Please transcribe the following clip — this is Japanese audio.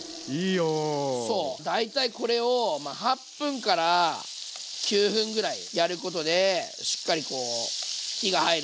そう大体これを８分から９分ぐらいやることでしっかりこう火が入ると思います。